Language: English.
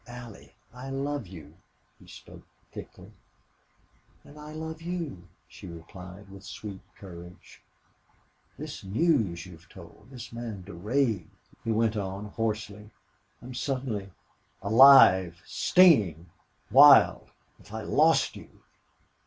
"Allie, I love you!" He spoke thickly. "And I love you," she replied, with sweet courage. "This news you've told this man Durade," he went on, hoarsely, "I'm suddenly alive stinging wild!... If I lost you!"